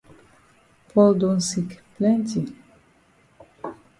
Paul don sick plenti.